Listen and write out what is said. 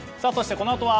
このあとは。